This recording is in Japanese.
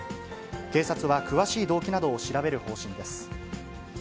警察は詳しい動機などを調べる方針です。